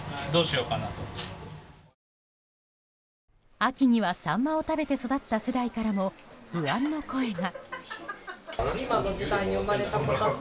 秋にはサンマを食べて育った世代からも不安の声が。